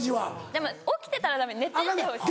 でも起きてたらダメ寝ててほしい。